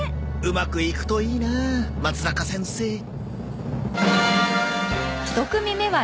うまくいくといいなまつざか先生。